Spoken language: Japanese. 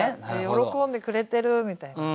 喜んでくれてる！みたいな。